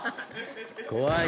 怖い。